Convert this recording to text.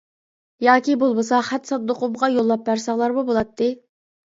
ياكى بولمىسا خەت ساندۇقۇمغا يوللاپ بەرسەڭلارمۇ بۇلاتتى.